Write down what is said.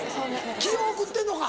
気を送ってるのか？